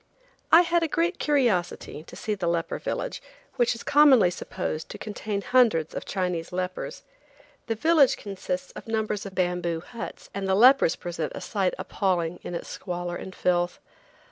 I had a great curiosity to see the leper village, which is commonly supposed to contain hundreds of Chinese lepers. The village consists of numbers of bamboo huts, and the lepers present a sight appalling in its squalor and filth.